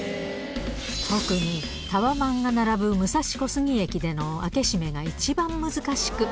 特に、タワマンが並ぶ武蔵小杉駅での開け閉めが一番難しく。